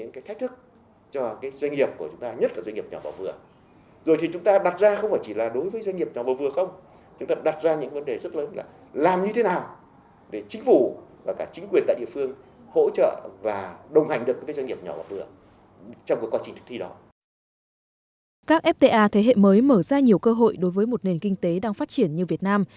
các fta thế hệ mới mở ra nhiều cơ hội đối với một nền kinh tế đang phát triển như việt nam